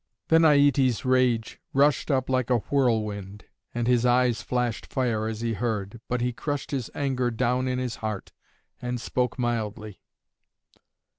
Then Aietes' rage rushed up like a whirlwind, and his eyes flashed fire as he heard; but he crushed his anger down in his heart and spoke mildly.